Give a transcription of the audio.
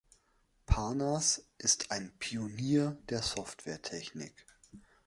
Parnas ist ein Pionier der Softwaretechnik.